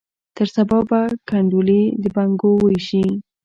تر سبا به کنډولي د بنګو ویشي